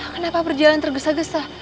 kenapa perjalanan tergesa gesa